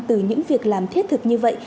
từ những việc làm thiết thực như vậy